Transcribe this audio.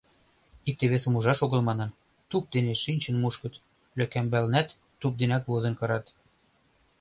Икте-весым ужаш огыл манын, туп дене шинчын мушкыт, лӧкамбалнат туп денак возын кырат.